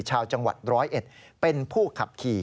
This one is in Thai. ชาวจังหวัดร้อยเอ็ดเป็นผู้ขับขี่